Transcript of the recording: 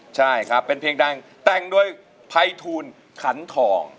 ใช่เป็นเพลงดังแต่งด้วยไภทูลขันทอง